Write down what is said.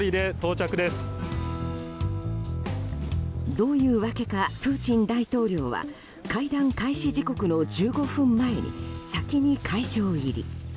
どういうわけかプーチン大統領は会談開始時刻の１５分前に先に会場入り。